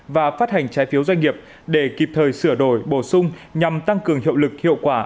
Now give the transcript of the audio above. và phát hành trái phiếu doanh nghiệp để kịp thời sửa đổi bổ sung nhằm tăng cường hiệu lực hiệu quả